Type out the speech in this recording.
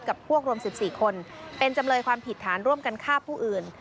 กับพวกรวม๑๔คนเป็นจำเลยความผิดฐานร่วมกันฆ่าผู้อื่น